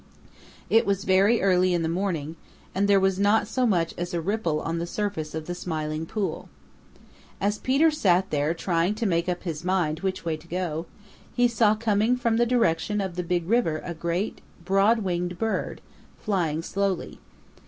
It was very early in the morning and there was not so much as a ripple on the surface of the Smiling Pool. As Peter sat there trying to make up his mind which way to go, he saw coming from the direction of the Big River a great, broad winged bird, flying slowly.